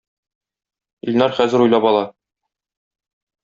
Илнар хәзер уйлап ала